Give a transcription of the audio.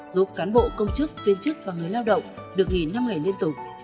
giúp cán bộ công chức viên chức và người lao động được nghỉ năm ngày liên tục